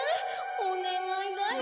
・・おねがいだよ